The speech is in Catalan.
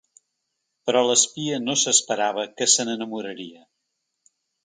Però l’espia no s’esperava que se n’enamoraria.